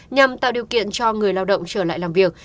nhằm tạo điều kiện cho người lao động trở lại làm việc